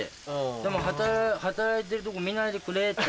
でも働いてるとこ見ないでくれって。